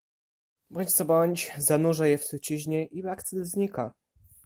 "Bądź co bądź zanurza je w truciźnie i bakcyl znika."